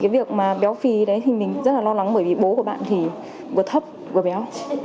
việc mà béo phì đấy thì mình rất là lo lắng bởi vì bố của bạn thì vừa thấp vừa béo ạ